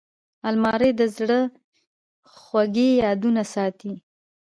الماري د زړه خوږې یادونې ساتي